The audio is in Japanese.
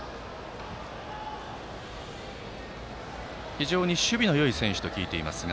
非常に守備のよい選手と聞いていますが。